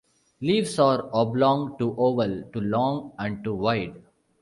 Leaves are oblong to oval, to long and to wide.